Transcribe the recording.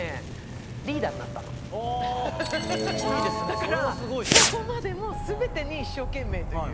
だからそこまでもう全てに一生懸命という。